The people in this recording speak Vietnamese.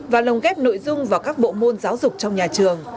và lồng ghép nội dung vào các bộ môn giáo dục trong nhà trường